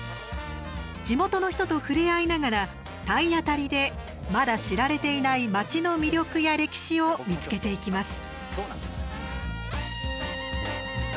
地元の人と触れ合いながら体当たりでまだ知られていない町の魅力や歴史を見つけていきます。